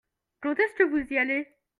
Quand est-ce que vous y allez ?